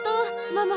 ママ